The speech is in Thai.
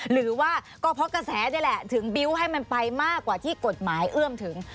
หรือว่าก็เพราะกระแสนี่แหละถึงบิวต์ให้มันไปมากกว่าที่กฎหมายเอื้อมถึง